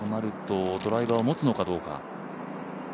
ドライバーを持つのかどうか。